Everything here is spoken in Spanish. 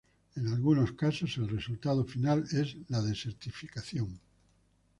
En algunos casos, el resultado final es la desertificación.